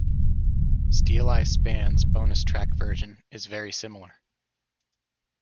Steeleye Span's bonus track version is very similar.